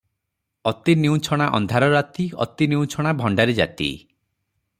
'ଅତି ନିଉଁଛଣା ଅନ୍ଧାର ରାତି, ଅତି ନିଉଁଛଣା ଭଣ୍ତାରି ଜାତି ।'